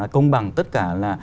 công bằng tất cả là